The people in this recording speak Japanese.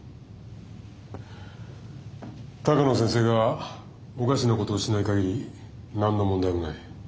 鷹野先生がおかしなことをしない限り何の問題もない。